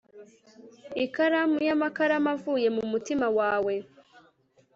ikaramu yamakaramu avuye mu mutima wawe